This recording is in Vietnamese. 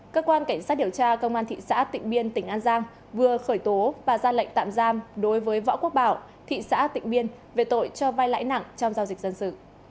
cơ quan cảnh sát điều tra công an thị xã tịnh biên tỉnh an giang vừa khởi tố và ra lệnh tạm giam đối với võ quốc bảo thị xã tịnh biên về tội cho vai lãi nặng trong giao dịch dân sự